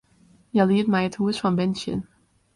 Hja liet my it hûs fan binnen sjen.